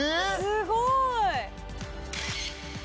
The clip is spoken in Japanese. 「すごーい！」